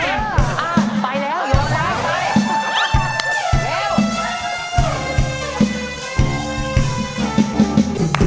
อ้าวไปแล้วยอมแล้วไป